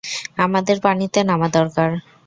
আমাদের পানিতে নামা দরকার।